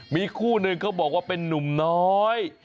มีคู่หนึ่งเขาบอกว่าเป็นนุ่มน้อย